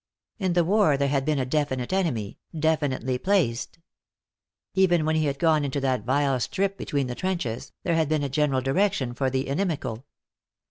In the war there had been a definite enemy, definitely placed. Even when he had gone into that vile strip between the trenches, there had been a general direction for the inimical.